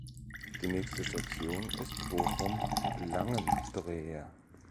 Die nächste Station ist Bochum-Langendreer.